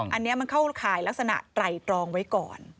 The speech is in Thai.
อันนี้มันเข้าข่ายลักษณะไตรตรองไว้ก่อน